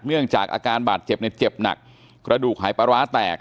เนื่องจากอาการบาดเจ็บเนี่ยเจ็บหนักกระดูกหายปลาร้าแตก